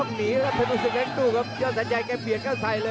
กระโดยสิ้งเล็กนี่ออกกันขาสันเหมือนกันครับ